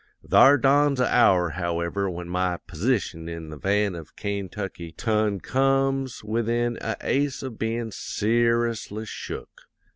"'Thar dawns a hour, however, when my p'sition in the van of Kaintucky ton comes within a ace of bein' ser'ously shook.